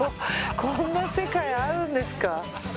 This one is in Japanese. こんな世界あるんですか。